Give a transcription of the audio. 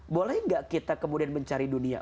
boleh nggak kita kemudian mencari dunia